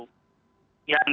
yang dia memiliki